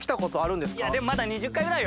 でも、まだ２０回ぐらいよ。